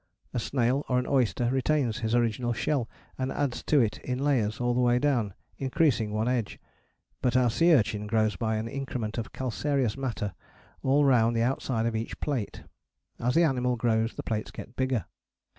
A snail or an oyster retains his original shell, and adds to it in layers all the way down, increasing one edge. But our sea urchin grows by an increment of calcareous matter all round the outside of each plate. As the animal grows the plates get bigger.